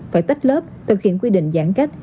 phải tách lớp thực hiện quy định giãn cách